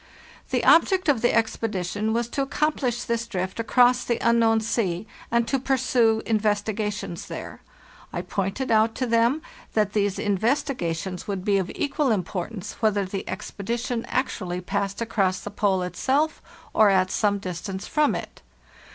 The object of the expedition was to accomplish this drift across the unknown sea, and to pursue investigations there. I pointed out to them that these investigations would be of equal importance whether the expedition actually passed across the Pole itself or at some distance from it.